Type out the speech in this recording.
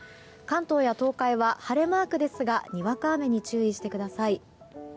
関東や東海は晴れマークですがにわか雨に注意してください。